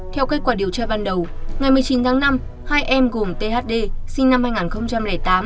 theo kết quả điều tra ban đầu ngày một mươi chín tháng năm hai em gồm thd sinh năm hai nghìn tám